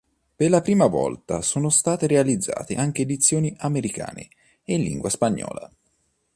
Per la prima volta sono state realizzate anche edizioni americane e in lingua spagnola.